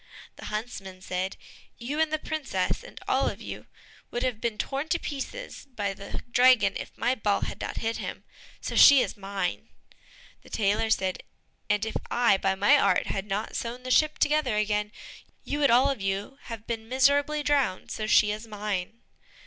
The huntsman said, "You and the princess, and all of you, would have been torn to pieces by the dragon if my ball had not hit him, so she is mine." The tailor said, "And if I, by my art, had not sewn the ship together again, you would all of you have been miserably drowned, so she is mine."